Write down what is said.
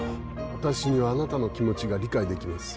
私にはあなたの気持ちが理解できます。